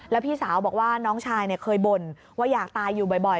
แล้วพี่สาวบอกว่าน้องชายเคยบ่นว่าอยากตายอยู่บ่อย